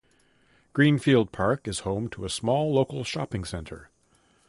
Greenfield Park is home to a small local shopping centre.